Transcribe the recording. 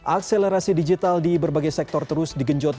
akselerasi digital di berbagai sektor terus digenjot